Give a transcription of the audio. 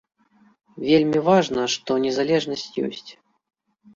Вельмі важна, што незалежнасць ёсць.